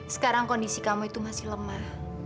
sekarang kondisi kamu itu masih lemah